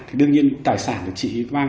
thì đương nhiên tài sản là tài sản